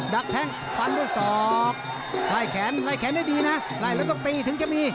ักแท่งฟันด้วยศอกไล่แขนไล่แขนได้ดีนะไล่แล้วก็ตีถึงจะมี